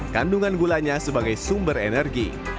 kandungan gulanya sebagai sumber energi